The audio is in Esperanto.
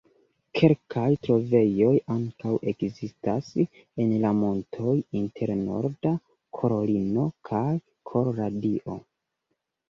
Kelkaj trovejoj ankaŭ ekzistas en la montoj inter Norda Karolino kaj Koloradio.